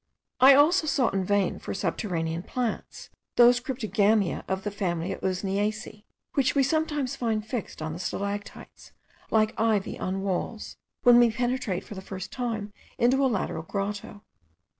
I also sought in vain for subterranean plants, those cryptogamia of the family of the Usneaceae, which we sometimes find fixed on the stalactites, like ivy on walls, when we penetrate for the first time into a lateral grotto.